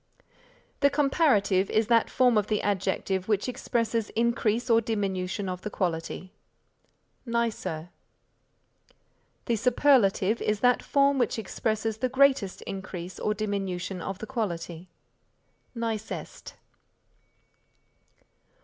The comparative is that form of the adjective which expresses increase or diminution of the quality: nicer. The superlative is that form which expresses the greatest increase or diminution of the quality: nicest.